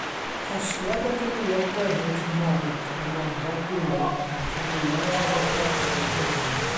Casgliad o ganeuon gwerin Cymraeg gan Arfon Gwilym yw Caneuon Traddodiadol y Cymry.